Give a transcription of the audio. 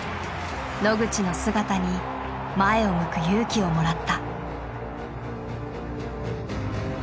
野口の姿に前を向く勇気をもらった。